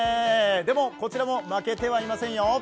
でもこちらも負けてはいませんよ。